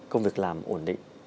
công việc làm ổn định